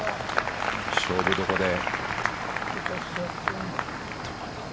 勝負どころで。